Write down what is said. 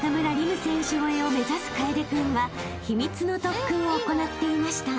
夢選手超えを目指す楓君は秘密の特訓を行っていました］